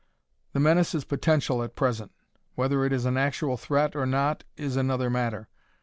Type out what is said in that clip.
"The menace is potential at present. Whether it is an actual threat or not is another matter.